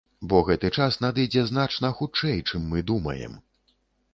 Бо гэты час надыдзе значна хутчэй, чым мы думаем.